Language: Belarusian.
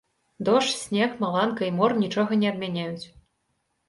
Дождж, снег, маланка і мор нічога не адмяняюць!